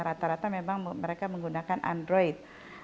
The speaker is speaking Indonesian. rata rata memang mereka menggunakan android